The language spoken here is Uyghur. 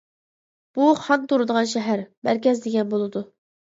بۇ خان تۇرىدىغان شەھەر، مەركەز دېگەن بولىدۇ.